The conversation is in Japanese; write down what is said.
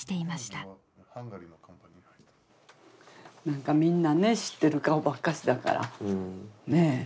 なんかみんなね知ってる顔ばっかしだからねえ。